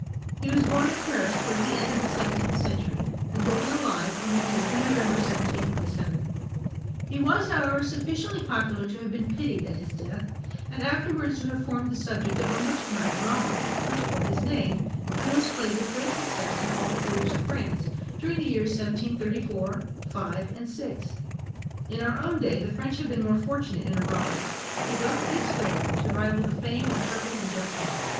He was born at Paris, towards the end of the seventeenth century, and broken alive on the wheel in November 1727. He was, however, sufficiently popular to have been pitied at his death, and afterwards to have formed the subject of a much admired drama, which bore his name, and was played with great success in all the theatres of France during the years 1734, 5, and 6. In our own day the French have been more fortunate in a robber; Vidocq bids fair to rival the fame of Turpin and Jack Sheppard.